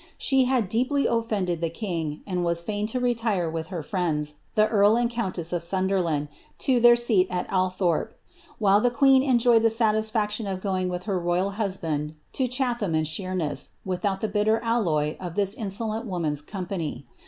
She had deeply ofiended king, and was fain to retire with her friends, the earl and countess Wonderland, to their seat at Althorpe ; while the queen enjoyed the faction of going with her royal husband to Chatham and Sheemess, out the bitter alloy of this insolent woman's company.'